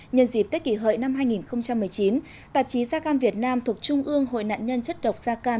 nhân dịp tết kỷ hợi năm hai nghìn một mươi chín tạp chí da cam việt nam thuộc trung ương hội nạn nhân chất độc da cam